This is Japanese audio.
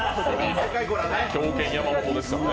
狂犬・山本ですからね。